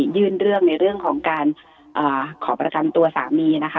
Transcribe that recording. ยื่นเรื่องในเรื่องของการขอประกันตัวสามีนะคะ